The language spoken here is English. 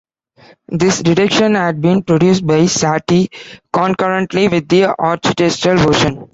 This reduction had been produced by Satie, concurrently with the orchestral version.